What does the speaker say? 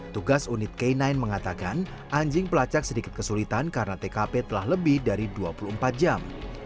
tugas unit k sembilan mengatakan anjing pelacak sedikit kesulitan karena tkp telah lebih dari dua puluh empat jam